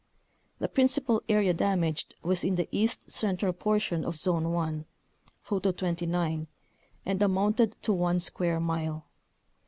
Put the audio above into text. The prin cipal area damaged was in the east central por tion of Zone 1 (Photo 29) and amounted to one square mile.